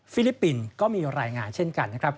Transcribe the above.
ลิปปินส์ก็มีรายงานเช่นกันนะครับ